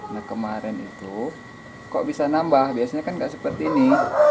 nah kemarin itu kok bisa nambah biasanya kan nggak seperti ini